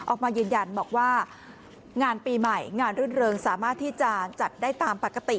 ออกมายืนยันบอกว่างานปีใหม่งานรื่นเริงสามารถที่จะจัดได้ตามปกติ